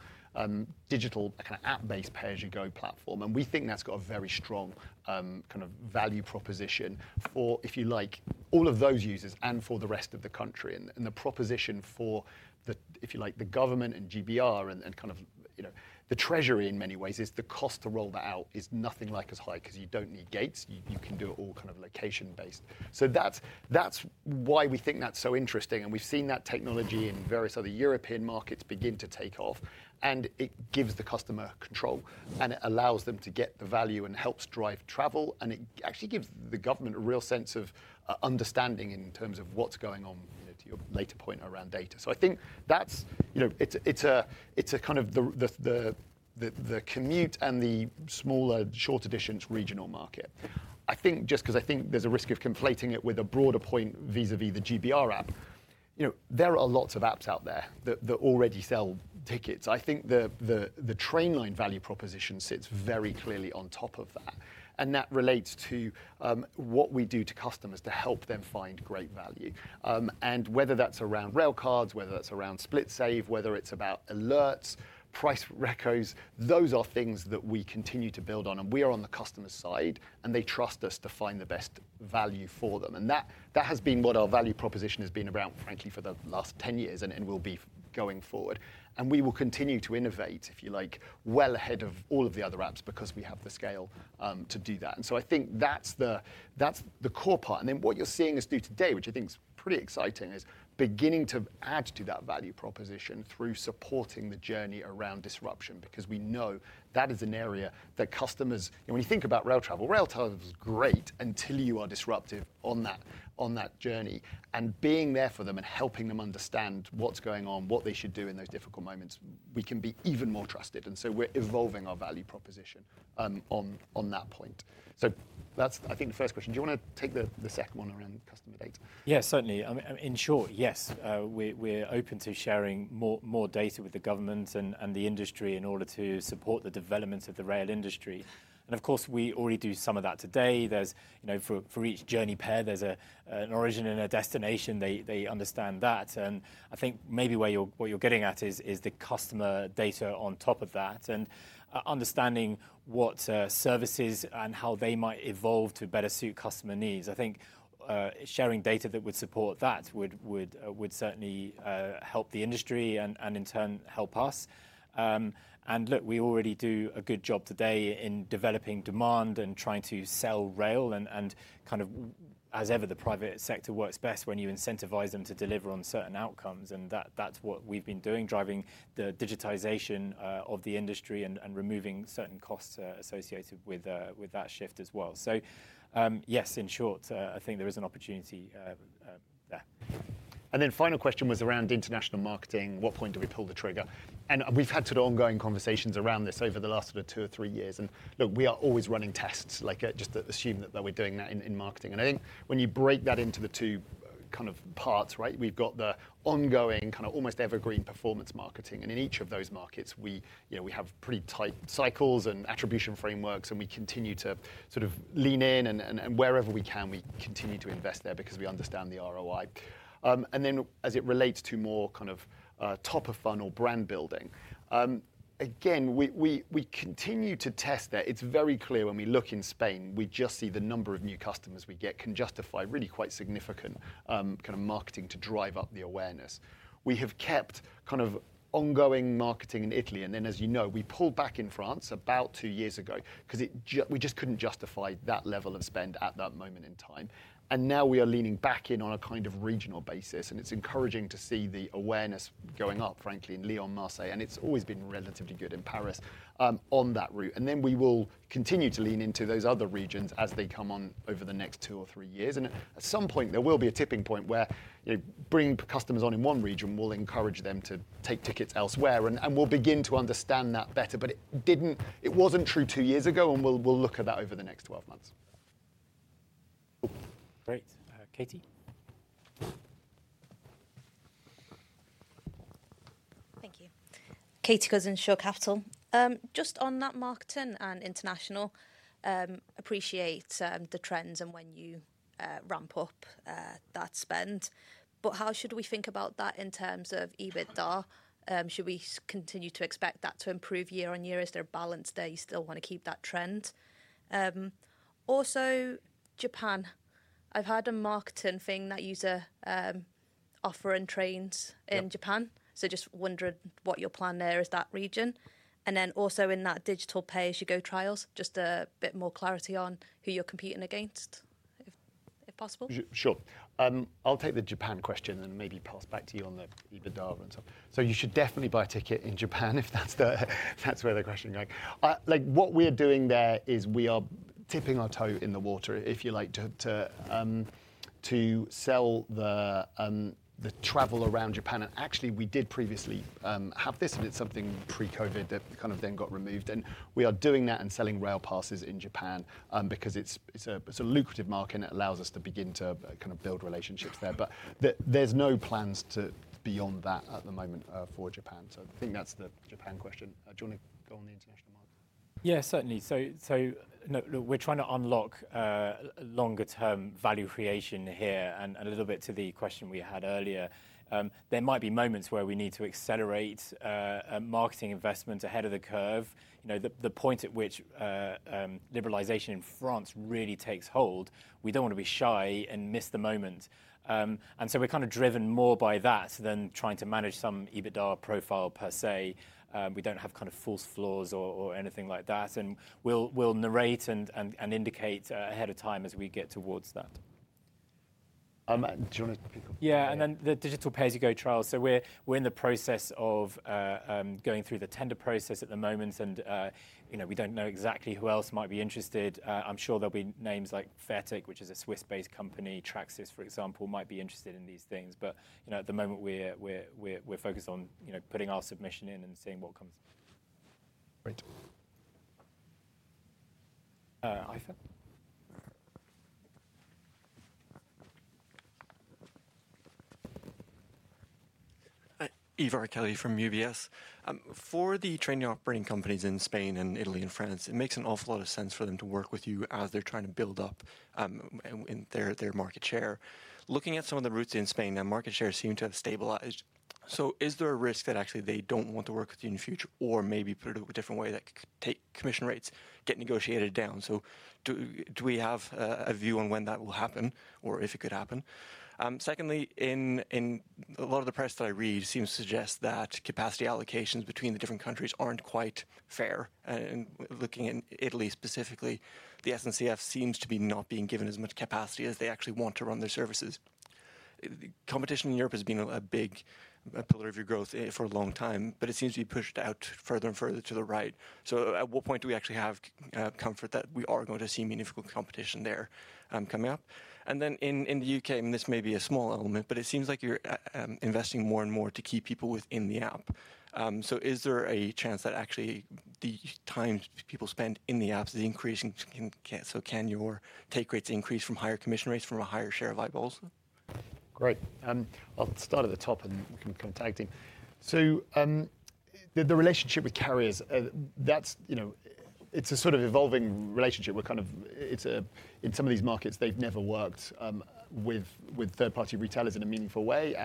digital kind of app-based pay-as-you-go platform. We think that has got a very strong kind of value proposition for, if you like, all of those users and for the rest of the country. The proposition for, if you like, the government and GBR and kind of the treasury in many ways is the cost to roll that out is nothing like as high because you do not need gates. You can do it all kind of location-based. That is why we think that is so interesting. We have seen that technology in various other European markets begin to take off. It gives the customer control. It allows them to get the value and helps drive travel. It actually gives the government a real sense of understanding in terms of what's going on to your later point around data. I think it's a kind of the commute and the smaller, shorter-distance regional market. I think just because I think there's a risk of conflating it with a broader point vis-à-vis the GBR app, there are lots of apps out there that already sell tickets. I think the Trainline value proposition sits very clearly on top of that. That relates to what we do to customers to help them find great value. Whether that's around railcards, whether that's around SplitSave, whether it's about alerts, price recos, those are things that we continue to build on. We are on the customer's side. They trust us to find the best value for them. That has been what our value proposition has been around, frankly, for the last 10 years and will be going forward. We will continue to innovate, if you like, well ahead of all of the other apps because we have the scale to do that. I think that's the core part. What you're seeing us do today, which I think is pretty exciting, is beginning to add to that value proposition through supporting the journey around disruption because we know that is an area that customers, when you think about rail travel, rail travel is great until you are disruptive on that journey. Being there for them and helping them understand what's going on, what they should do in those difficult moments, we can be even more trusted. We're evolving our value proposition on that point. That's, I think, the first question. Do you want to take the second one around customer data? Yeah, certainly. In short, yes. We're open to sharing more data with the government and the industry in order to support the development of the rail industry. Of course, we already do some of that today. For each journey pair, there's an origin and a destination. They understand that. I think maybe what you're getting at is the customer data on top of that and understanding what services and how they might evolve to better suit customer needs. I think sharing data that would support that would certainly help the industry and, in turn, help us. We already do a good job today in developing demand and trying to sell rail. Kind of as ever, the private sector works best when you incentivize them to deliver on certain outcomes. That is what we have been doing, driving the digitization of the industry and removing certain costs associated with that shift as well. Yes, in short, I think there is an opportunity there. The final question was around international marketing. At what point do we pull the trigger? We have had sort of ongoing conversations around this over the last two or three years. Look, we are always running tests, just to assume that we are doing that in marketing. I think when you break that into the two kind of parts, right, we have got the ongoing kind of almost evergreen performance marketing. In each of those markets, we have pretty tight cycles and attribution frameworks. We continue to sort of lean in. Wherever we can, we continue to invest there because we understand the ROI. As it relates to more kind of top-of-funnel brand building, again, we continue to test there. It is very clear when we look in Spain, we just see the number of new customers we get can justify really quite significant kind of marketing to drive up the awareness. We have kept kind of on-going marketing in Italy. As you know, we pulled back in France about two years ago because we just could not justify that level of spend at that moment in time. Now we are leaning back in on a kind of regional basis. It is encouraging to see the awareness going up, frankly, in Lyon and Marseille. It has always been relatively good in Paris on that route. We will continue to lean into those other regions as they come on over the next two or three years. At some point, there will be a tipping point where bringing customers on in one region will encourage them to take tickets elsewhere. We will begin to understand that better. It was not true two years ago. We will look at that over the next 12 months. Great. Katie? Thank you. Katie Cousins, Shore Capital. Just on that marketing and international, appreciate the trends and when you ramp up that spend. How should we think about that in terms of EBITDA? Should we continue to expect that to improve year on year? Is there a balance there? You still want to keep that trend? Also, Japan. I have heard a marketing thing that you offer and trains in Japan. Just wondering what your plan there is that region. Also, in that digital pay-as-you-go trials, just a bit more clarity on who you're competing against, if possible? Sure. I'll take the Japan question and maybe pass back to you on the EBITDA and stuff. You should definitely buy a ticket in Japan if that's where the question's going. What we're doing there is we are tipping our toe in the water, if you like, to sell the travel around Japan. Actually, we did previously have this. It's something pre-COVID that kind of then got removed. We are doing that and selling rail passes in Japan because it's a lucrative market. It allows us to begin to kind of build relationships there. There's no plans beyond that at the moment for Japan. I think that's the Japan question. Do you want to go on the international market? Yeah, certainly. So, look, we are trying to unlock longer-term value creation here. A little bit to the question we had earlier, there might be moments where we need to accelerate marketing investment ahead of the curve. The point at which liberalization in France really takes hold, we do not want to be shy and miss the moment. We are kind of driven more by that than trying to manage some EBITDA profile per se. We do not have false floors or anything like that. We will narrate and indicate ahead of time as we get towards that. Do you want to pick up? Yeah. The digital pay-as-you-go trials. We are in the process of going through the tender process at the moment. We do not know exactly who else might be interested. I'm sure there'll be names like FAIRTQ, which is a Swiss-based company, Tracsis, for example, might be interested in these things. At the moment, we're focused on putting our submission in and seeing what comes. Great. Ivar Kelly from UBS. For the train operating companies in Spain and Italy and France, it makes an awful lot of sense for them to work with you as they're trying to build up their market share. Looking at some of the routes in Spain, that market share seemed to have stabilized. Is there a risk that actually they don't want to work with you in the future or maybe, put it a different way, that commission rates could get negotiated down? Do we have a view on when that will happen or if it could happen? Secondly, in a lot of the press that I read seems to suggest that capacity allocations between the different countries are not quite fair. Looking at Italy specifically, the SNCF seems to be not being given as much capacity as they actually want to run their services. Competition in Europe has been a big pillar of your growth for a long time. It seems to be pushed out further and further to the right. At what point do we actually have comfort that we are going to see meaningful competition there coming up? In the U.K., and this may be a small element, it seems like you are investing more and more to keep people within the app. Is there a chance that actually the time people spend in the apps is increasing, so can your take rates increase from higher commission rates, from a higher share of eye balls? Great. I'll start at the top and we can kind of tag team. The relationship with carriers, it's a sort of evolving relationship. We're kind of in some of these markets, they've never worked with third-party retailers in a meaningful way.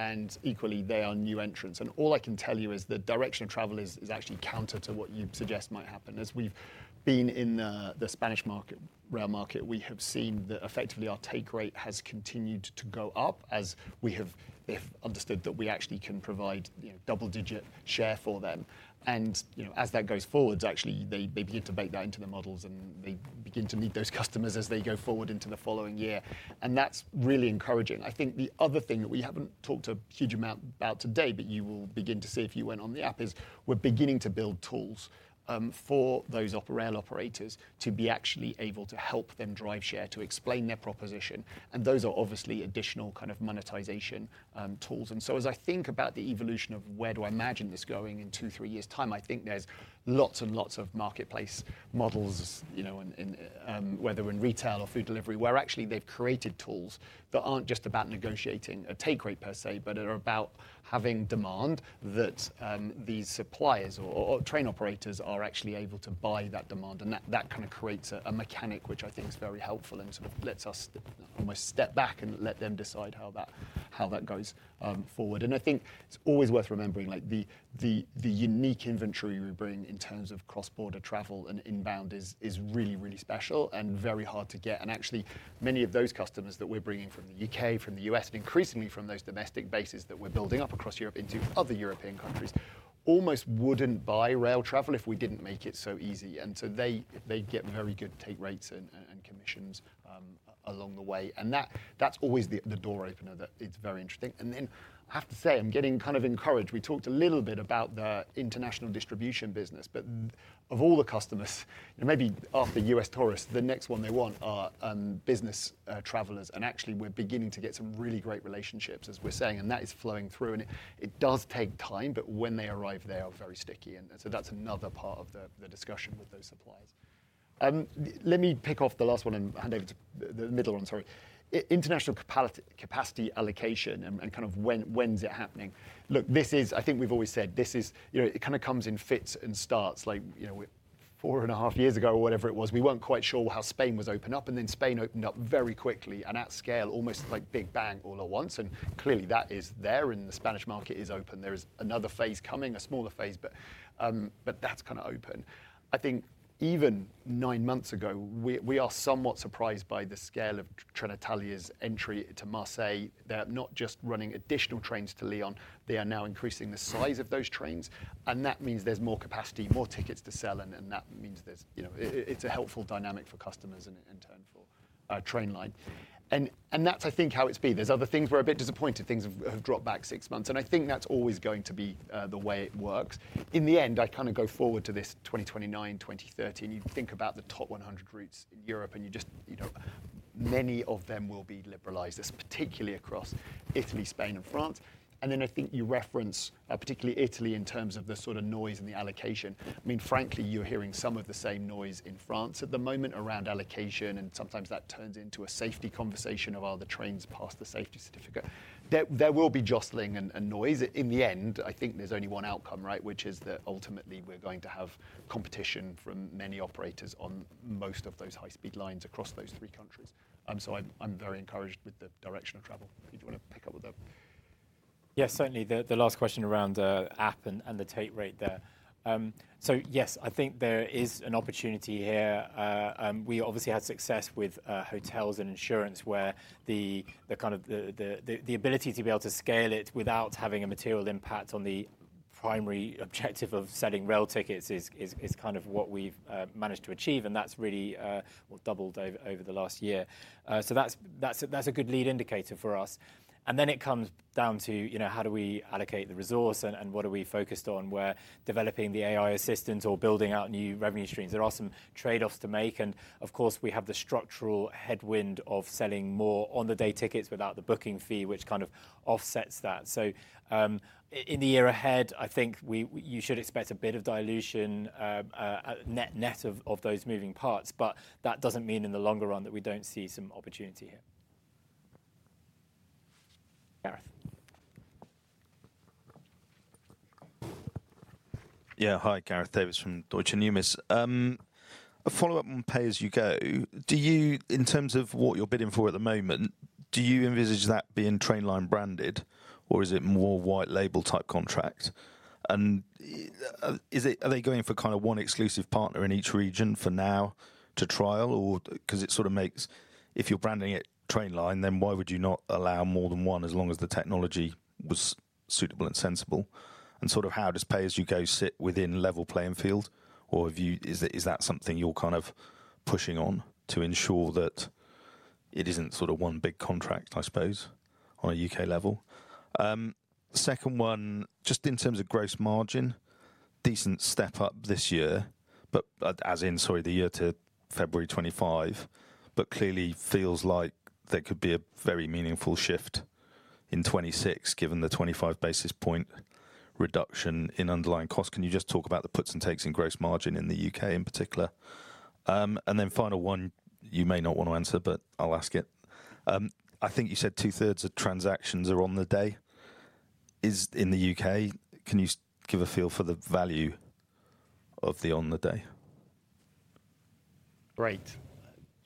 Equally, they are new entrants. All I can tell you is the direction of travel is actually counter to what you suggest might happen. As we've been in the Spanish market, rail market, we have seen that effectively our take rate has continued to go up as we have understood that we actually can provide double-digit share for them. As that goes forward, they begin to bake that into their models. They begin to meet those customers as they go forward into the following year. That is really encouraging. I think the other thing that we have not talked a huge amount about today, but you will begin to see if you went on the app, is we are beginning to build tools for those rail operators to be actually able to help them drive share, to explain their proposition. Those are obviously additional kind of monetization tools. As I think about the evolution of where do I imagine this going in two, three years' time, I think there are lots and lots of marketplace models, whether in retail or food delivery, where actually they have created tools that are not just about negotiating a take rate per se, but are about having demand that these suppliers or train operators are actually able to buy that demand. That kind of creates a mechanic, which I think is very helpful and sort of lets us almost step back and let them decide how that goes forward. I think it's always worth remembering the unique inventory we bring in terms of cross-border travel and inbound is really, really special and very hard to get. Actually, many of those customers that we're bringing from the U.K., from the U.S., and increasingly from those domestic bases that we're building up across Europe into other European countries almost wouldn't buy rail travel if we didn't make it so easy. They get very good take rates and commissions along the way. That's always the door opener that it's very interesting. I have to say, I'm getting kind of encouraged. We talked a little bit about the international distribution business. Of all the customers, maybe after U.S., tourists, the next one they want are business travelers. Actually, we're beginning to get some really great relationships, as we're saying. That is flowing through. It does take time. When they arrive, they are very sticky. That is another part of the discussion with those suppliers. Let me pick off the last one and hand over to the middle one, sorry. International capacity allocation and kind of when's it happening? Look, I think we've always said this comes in fits and starts. Like four and a half years ago or whatever it was, we were not quite sure how Spain was opening up. Then Spain opened up very quickly and at scale, almost like big bang all at once. Clearly, that is there. The Spanish market is open. There is another phase coming, a smaller phase. That is kind of open. I think even nine months ago, we are somewhat surprised by the scale of Trenitalia's entry to Marseille. They are not just running additional trains to Lyon. They are now increasing the size of those trains. That means there is more capacity, more tickets to sell. That means it is a helpful dynamic for customers and in turn for our Trainline. That is, I think, how it has been. There are other things we are a bit disappointed. Things have dropped back six months. I think that is always going to be the way it works. In the end, I kind of go forward to this 2029, 2030. You think about the top 100 routes in Europe. Many of them will be liberalised, particularly across Italy, Spain, and France. Then I think you reference particularly Italy in terms of the sort of noise and the allocation. I mean, frankly, you're hearing some of the same noise in France at the moment around allocation. Sometimes that turns into a safety conversation of, are the trains past the safety certificate? There will be jostling and noise. In the end, I think there's only one outcome, right, which is that ultimately, we're going to have competition from many operators on most of those high-speed lines across those three countries. I am very encouraged with the direction of travel. If you want to pick up with that. Yeah, certainly. The last question around app and the take rate there. Yes, I think there is an opportunity here. We obviously had success with hotels and insurance where the kind of the ability to be able to scale it without having a material impact on the primary objective of selling rail tickets is kind of what we've managed to achieve. That has really doubled over the last year. That is a good lead indicator for us. It comes down to how do we allocate the resource and what are we focused on, where developing the AI assistance or building out new revenue streams. There are some trade-offs to make. Of course, we have the structural headwind of selling more on-the-day tickets without the booking fee, which kind of offsets that. In the year ahead, I think you should expect a bit of dilution net of those moving parts. That does not mean in the longer run that we do not see some opportunity here. Gareth. Yeah, hi, Gareth Davies from Deutsche Numis. A follow-up on pay-as-you-go. In terms of what you're bidding for at the moment, do you envisage that being Trainline branded, or is it more white label type contract? Are they going for kind of one exclusive partner in each region for now to trial? It sort of makes, if you're branding it Trainline, then why would you not allow more than one as long as the technology was suitable and sensible? How does pay-as-you-go sit within level playing field? Is that something you're kind of pushing on to ensure that it isn't sort of one big contract, I suppose, on a U.K. level? Second one, just in terms of gross margin, decent step up this year, but as in, sorry, the year to February 2025, but clearly feels like there could be a very meaningful shift in 2026 given the 25 basis point reduction in underlying cost. Can you just talk about the puts and takes in gross margin in the U.K. in particular? And then final one, you may not want to answer, but I'll ask it. I think you said two-thirds of transactions are on-the-day in the U.K. Can you give a feel for the value of the on-the-day? Great.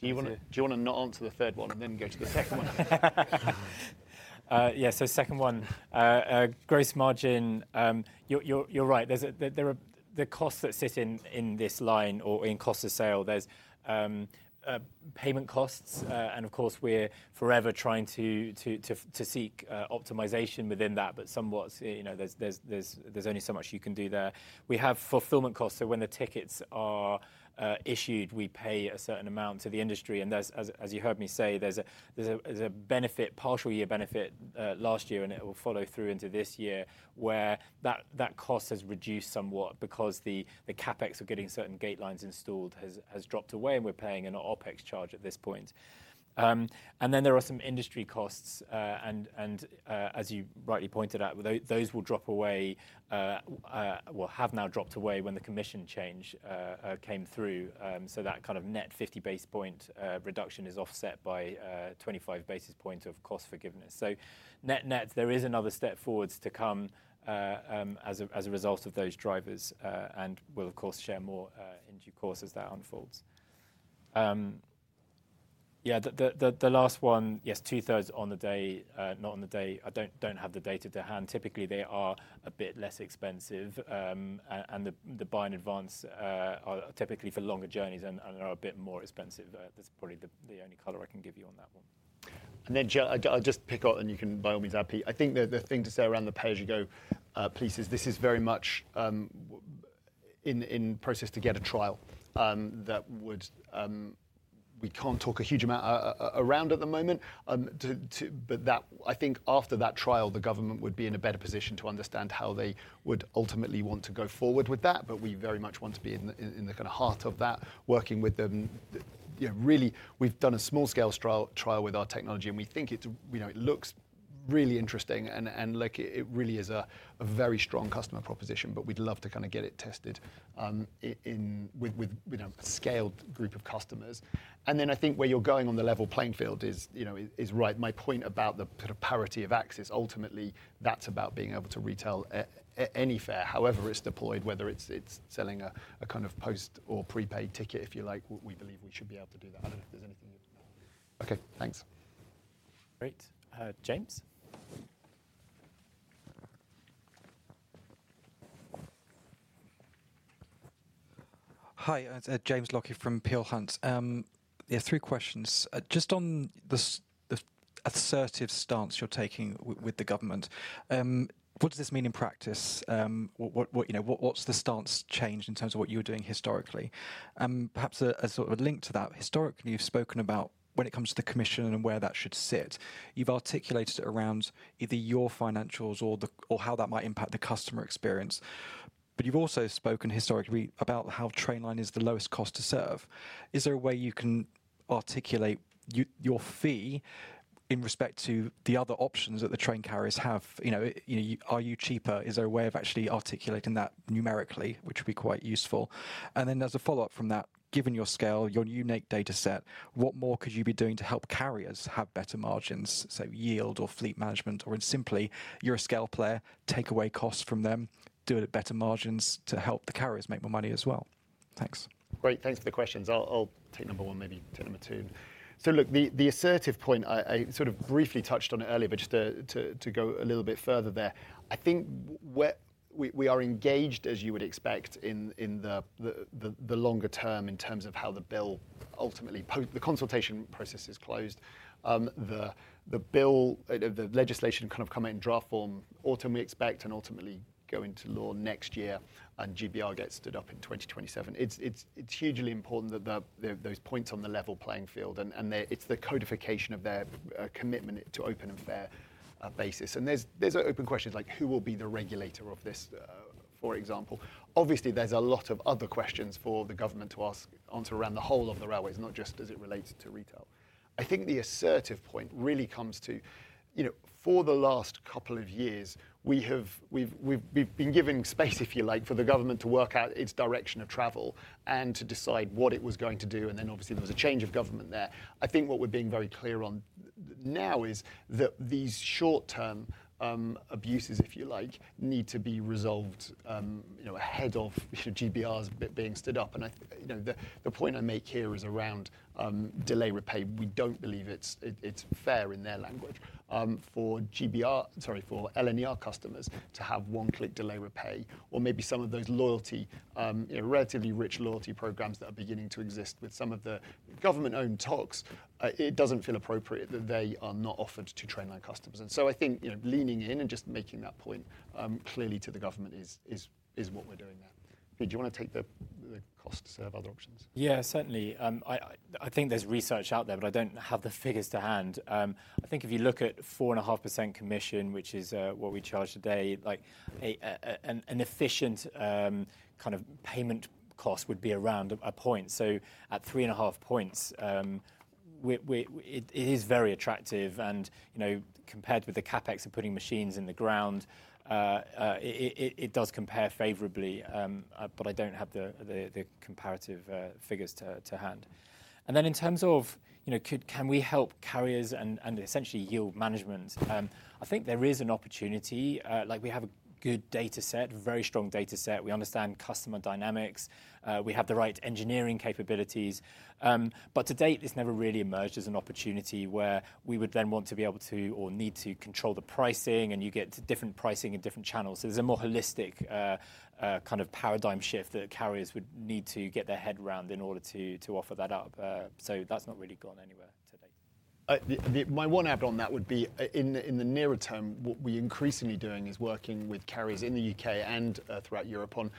Do you want to not answer the third one and then go to the second one? Yeah, so second one, gross margin, you're right. There are the costs that sit in this line or in cost of sale. There's payment costs. Of course, we're forever trying to seek optimization within that. However, there's only so much you can do there. We have fulfillment costs. When the tickets are issued, we pay a certain amount to the industry. As you heard me say, there's a benefit, partial year benefit last year. It will follow through into this year where that cost has reduced somewhat because the CapEx of getting certain gate lines installed has dropped away. We're paying an OpEx charge at this point. There are some industry costs. As you rightly pointed out, those will drop away or have now dropped away when the commission change came through. That kind of net 50 basis point reduction is offset by 25 basis points of cost forgiveness. Net-net, there is another step forwards to come as a result of those drivers. We will, of course, share more in due course as that unfolds. Yeah, the last one-yes, two-thirds on the day, not on-the-day, I do not have the data to hand. Typically, they are a bit less expensive. And the buy-in-advance are typically for longer journeys and are a bit more expensive. That is probably the only color I can give you on that one. I will just pick up. You can by all means add, Pete. I think the thing to say around the pay-as-you-go piece is this is very much in process to get a trial that we cannot talk a huge amount around at the moment. I think after that trial, the government would be in a better position to understand how they would ultimately want to go forward with that. We very much want to be in the kind of heart of that, working with them. Really, we've done a small-scale trial with our technology. We think it looks really interesting. It really is a very strong customer proposition. We'd love to kind of get it tested with a scaled group of customers. I think where you're going on the level playing field is right. My point about the sort of parity of access, ultimately, that's about being able to retail at any fare, however it's deployed, whether it's selling a kind of post or prepaid ticket, if you like. We believe we should be able to do that.I don't know if there's anything you'd like to add. Okay, thanks. Great. James. Hi, James Lockyer from Peel Hunt. There are three questions. Just on the assertive stance you're taking with the government, what does this mean in practice? What's the stance change in terms of what you were doing historically? Perhaps a sort of link to that. Historically, you've spoken about when it comes to the commission and where that should sit. You've articulated it around either your financials or how that might impact the customer experience. You've also spoken historically about how Trainline is the lowest cost to serve. Is there a way you can articulate your fee in respect to the other options that the train carriers have? Are you cheaper? Is there a way of actually articulating that numerically, which would be quite useful? As a follow-up from that, given your scale, your unique data set, what more could you be doing to help carriers have better margins? So yield or fleet management. Or simply, you're a scale player, take away costs from them, do it at better margins to help the carriers make more money as well. Thanks. Great. Thanks for the questions. I'll take number one, maybe take number two. Look, the assertive point, I sort of briefly touched on it earlier. Just to go a little bit further there, I think we are engaged, as you would expect, in the longer term in terms of how the bill ultimately, the consultation process is closed. The bill, the legislation kind of comes out in draft form, autumn, we expect, and ultimately goes into law next year. GBR gets stood up in 2027. It's hugely important that those points on the level playing field, and it's the codification of their commitment to open and fair basis. There are open questions like, who will be the regulator of this, for example? Obviously, there are a lot of other questions for the government to answer around the whole of the railways, not just as it relates to retail. I think the assertive point really comes to, for the last couple of years, we have been given space, if you like, for the government to work out its direction of travel and to decide what it was going to do. Obviously, there was a change of government there. I think what we are being very clear on now is that these short-term abuses, if you like, need to be resolved ahead of GBR's being stood up. The point I make here is around Delay Repay. We do not believe it is fair in their language for GBR, sorry, for LNER customers to have one-click Delay Repay or maybe some of those relatively rich loyalty programs that are beginning to exist with some of the government-owned TOCs. It does not feel appropriate that they are not offered to Trainline customers. I think leaning in and just making that point clearly to the government is what we are doing there. Pete, do you want to take the cost to serve other options? Yeah, certainly. I think there is research out there, but I do not have the figures to hand. I think if you look at 4.5% commission, which is what we charge today, an efficient kind of payment cost would be around a point. At 3.5 points, it is very attractive. Compared with the CapEx of putting machines in the ground, it does compare favorably. I don't have the comparative figures to hand. In terms of, can we help carriers and essentially yield management? I think there is an opportunity. We have a good data set, very strong data set. We understand customer dynamics. We have the right engineering capabilities. To date, it's never really emerged as an opportunity where we would then want to be able to or need to control the pricing. You get different pricing in different channels. There is a more holistic kind of paradigm shift that carriers would need to get their head around in order to offer that up. That's not really gone anywhere to date. My one add-on on that would be in the nearer term, what we're increasingly doing is working with carriers in the U.K. and throughout Europe on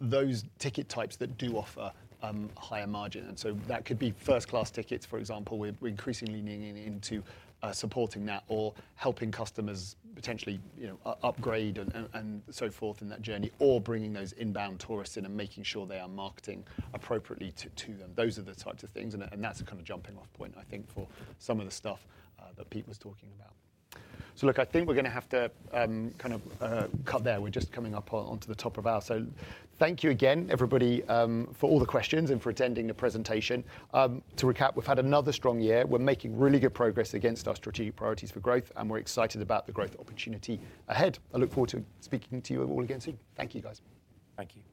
those ticket types that do offer higher margin. That could be first-class tickets, for example. We're increasingly leaning into supporting that or helping customers potentially upgrade and so forth in that journey or bringing those inbound tourists in and making sure they are marketing appropriately to them. Those are the types of things. That's a kind of jumping-off point, I think, for some of the stuff that Pete was talking about. I think we're going to have to kind of cut there. We're just coming up onto the top of ours. Thank you again, everybody, for all the questions and for attending the presentation. To recap, we've had another strong year. We're making really good progress against our strategic priorities for growth. We're excited about the growth opportunity ahead. I look forward to speaking to you all again soon. Thank you, guys. Thank you.